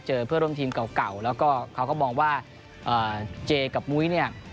เพื่อนร่วมทีมเก่าแล้วก็เขาก็มองว่าเจกับมุ้ยเนี่ย